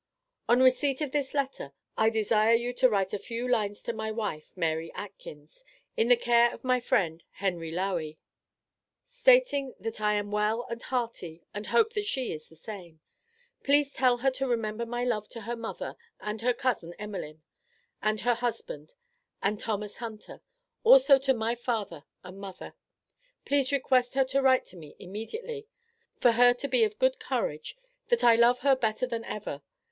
On receipt of this letter, I desire you to write a few lines to my wife, Mary Atkins, in the care of my friend, Henry Lowey, stating that I am well and hearty and hoping that she is the same. Please tell her to remember my love to her mother and her cousin, Emelin, and her husband, and Thomas Hunter; also to my father and mother. Please request her to write to me immediately, for her to be of good courage, that I love her better than ever.